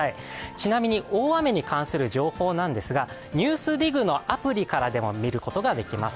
ちなみに、大雨に関する情報ですが「ＮＥＷＳＤＩＧ」のアプリからも見ることができます。